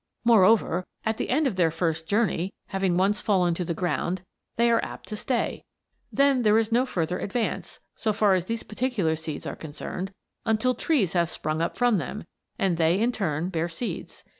Moreover, at the end of their first journey, having once fallen to the ground, they are apt to stay. Then there is no further advance, so far as these particular seeds are concerned, until trees have sprung from them and they, in turn, bear seeds.